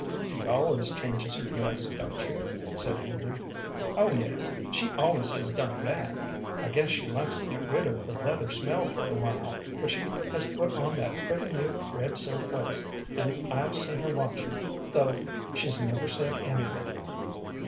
"She always changes her dress, don't she?" said Andrew. "Oh yes, she always has done that. I guess she likes to get rid of the leather smell for a while; but she has put on that pretty, new, red silk waist, and I've seen her watchin', though she's never said anything."